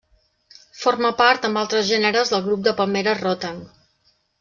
Forma part, amb altres gèneres del grup de palmeres rotang.